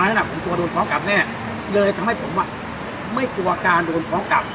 นั้นผมกลัวโดนฟ้องกลับแน่เลยทำให้ผมอ่ะไม่กลัวการโดนฟ้องกลับ